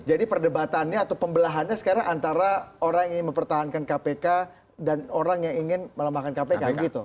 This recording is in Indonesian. jadi perdebatannya atau pembelahannya sekarang antara orang yang ingin mempertahankan kpk dan orang yang ingin melemahkan kpk gitu